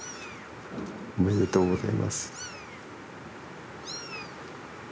おめでとうございます。